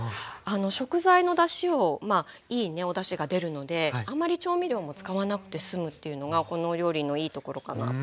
食材のだしをまあいいねおだしが出るのであんまり調味料も使わなくて済むっていうのがこのお料理のいいところかなと。